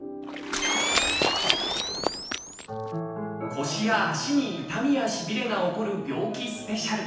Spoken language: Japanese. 腰や足に痛みやしびれが起こる病気スペシャル。